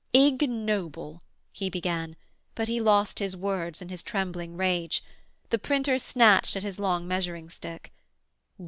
'Ignoble ...' he began, but he lost his words in his trembling rage. The printer snatched at his long measuring stick.